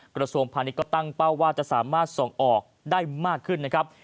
กระทรวงพาณิชย์ก็ตั้งเป้าว่าจะสามารถส่งออกได้มากขึ้นนะครับ